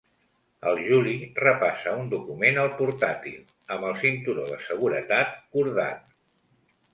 El Juli repassa un document al portàtil, amb el cinturó de seguretat cordat.